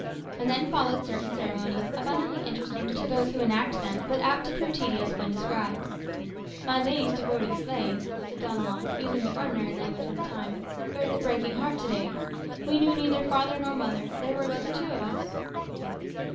And then followed certain ceremonies abundantly interesting to those who enact them, but apt to prove tedious when described. "My lady's devoted slave," said Don Juan, using the ordinary language of the time, "bears a breaking heart to day. We knew neither father nor mother; there were but the two of us."